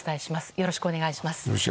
よろしくお願いします。